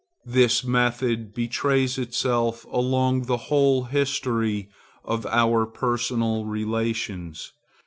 This method betrays itself along the whole history of our personal relations.